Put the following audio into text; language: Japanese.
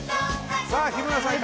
さあ日村さんい